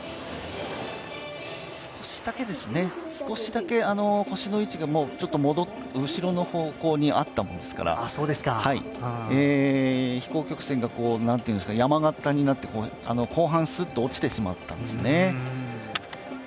少しだけですね、少しだけ腰の位置が後ろの方向にあったもんですから飛行曲線が山形になって、後半すっと落ちてしまったんですね。